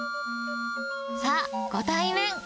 さあ、ご対面。